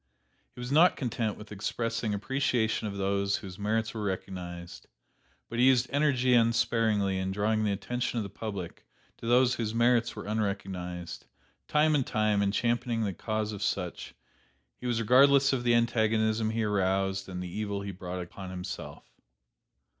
He was not content with expressing appreciation of those whose merits were recognized, but he used energy unsparingly in drawing the attention of the public to those whose merits were unrecognized; time after time in championing the cause of such, he was regardless of the antagonism he aroused and the evil he brought upon himself.